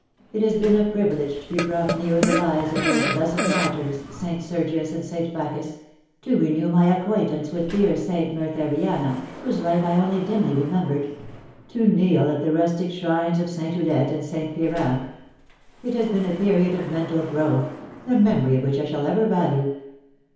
It has been a privilege to be brought nearer the lives of those blessed martyrs, Saint Sergius and Saint Bacchus ; to renew my acquaintance with dear Saint Mertheriana, whose life I only dimly remem bered ; to kneel at the rustic shrines of Saint Ulette and Saint Piran. It has been a period of mental growth, the memory of which I shall ever value."